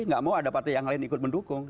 nggak mau ada partai yang lain ikut mendukung